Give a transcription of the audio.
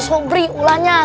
si sobri ulanya